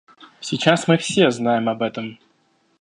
Сейчас мы все знаем об этом.